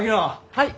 はい！